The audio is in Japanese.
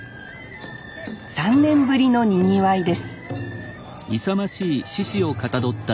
３年ぶりのにぎわいです